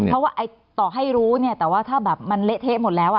เพราะว่าต่อให้รู้เนี่ยแต่ว่าถ้าแบบมันเละเทะหมดแล้ว